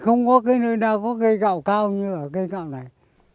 không có cái nơi nào có cây gạo cao như ở cây gạo này